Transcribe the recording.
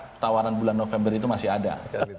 tawaran bulan november itu masih ada